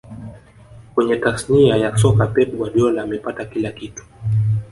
Kwenye tasnia ya soka pep guardiola amepata kila kitu